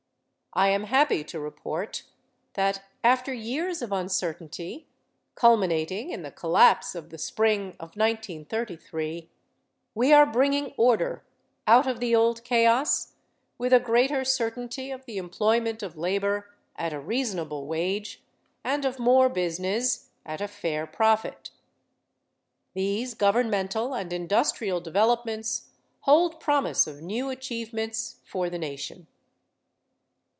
I am happy to report that after years of uncertainty, culminating in the collapse of the spring of 1933, we are bringing order out of the old chaos with a greater certainty of the employment of labor at a reasonable wage and of more business at a fair profit. These governmental and industrial developments hold promise of new achievements for the nation.